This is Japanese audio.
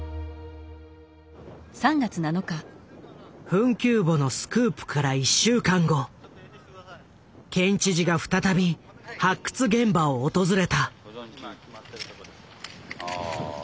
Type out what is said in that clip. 墳丘墓のスクープから１週間後県知事が再び発掘現場を訪れた。